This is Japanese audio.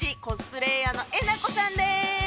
コスプレイヤーのえなこさんです。